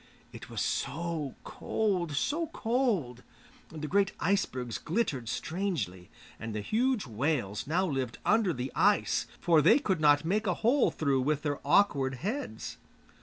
It was so cold, so cold; the great icebergs glittered strangely, and the huge whales now lived under the ice, for they could not make a hole through with their awkward heads.